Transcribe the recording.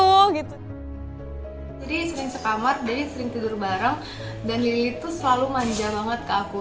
jadi sering sekamar jadi sering tidur bareng dan lily tuh selalu manja banget ke aku